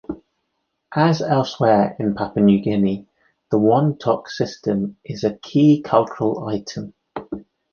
As elsewhere in Papua New Guinea, the wantok system is a key cultural item.